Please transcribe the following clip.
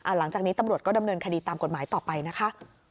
หลังจากนี้ตำรวจก็ดำเนินคดีตามกฎหมายต่อไปนะคะ